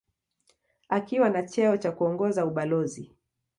Akiwa na cheo cha kuongoza ubalozi.